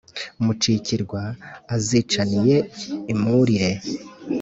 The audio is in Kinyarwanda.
mucikirwa azicaniye i mwurire,